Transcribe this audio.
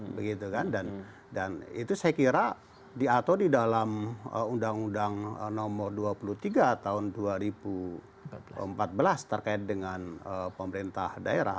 begitu kan dan itu saya kira atau di dalam undang undang nomor dua puluh tiga tahun dua ribu empat belas terkait dengan pemerintah daerah